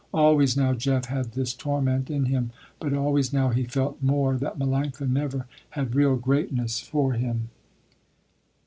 Always now Jeff had this torment in him, but always now he felt more that Melanctha never had real greatness for him.